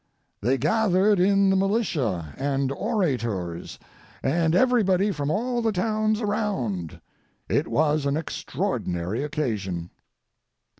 They gathered in the militia and orators and everybody from all the towns around. It was an extraordinary occasion.